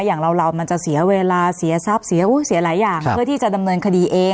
อย่างเรามันจะเสียเวลาเสียทรัพย์เสียหลายอย่างเพื่อที่จะดำเนินคดีเอง